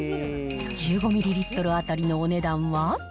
１５ミリリットル当たりのお値段は。